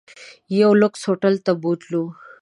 یو لوکس هوټل ته بوتلو.